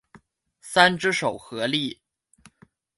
三只手合力。